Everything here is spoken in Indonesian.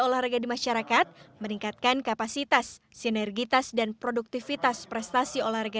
olahraga di masyarakat meningkatkan kapasitas sinergitas dan produktivitas prestasi olahraga